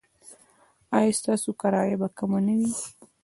ایا ستاسو کرایه به کمه نه وي؟